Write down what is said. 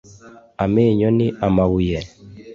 amenyo ni amabuye